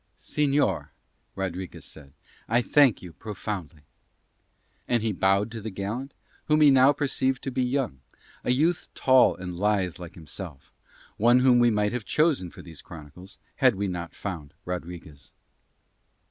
"Señor," Rodriguez said, "I thank you profoundly." And he bowed to the gallant, whom he now perceived to be young, a youth tall and lithe like himself, one whom we might have chosen for these chronicles had we not found Rodriguez.